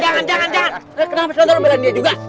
jangan jangan jangan